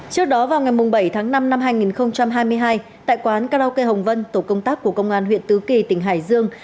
trước đó vào ngày bảy tháng năm năm hai nghìn hai mươi hai tại quán karaoke hồng vân tổ công tác của công an huyện tứ kỳ tỉnh hải dương